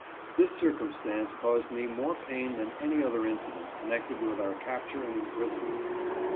This circumstance caused me more pain than any other incident connected with our capture and imprisonment.